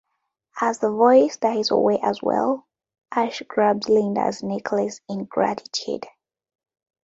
As the voice dies away as well, Ash grabs Linda's necklace in gratitude.